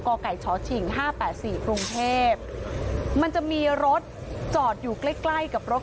ก่อก๋าไก่ชอตชิงห้าบ้าสี่ภรุงเทพฯมันจะมีรถจอดอยู่ใกล้ใกล้กับรถ